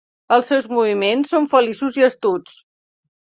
Els seus moviments són feliços i astuts.